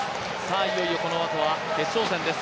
いよいよ、このあとは決勝戦です。